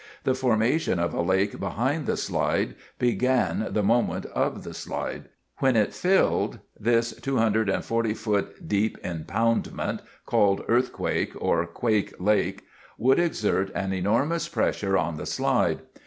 The formation of a lake behind the slide began the moment of the slide. When it filled, this 240 foot deep impoundment, called Earthquake or "Quake" Lake, would exert an enormous pressure on the slide.